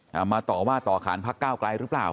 เต่าว่าต่อขนพรักข้าวกลายหรือเปล่า